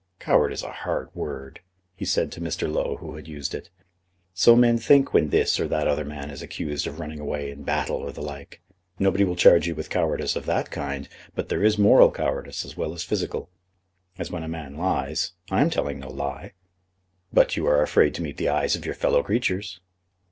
"Coward is a hard word," he said to Mr. Low, who had used it. "So men think when this or that other man is accused of running away in battle or the like. Nobody will charge you with cowardice of that kind. But there is moral cowardice as well as physical." "As when a man lies. I am telling no lie." "But you are afraid to meet the eyes of your fellow creatures."